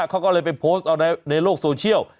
เขาก็เลยไปโพสต์เอาในโลกโซเชียล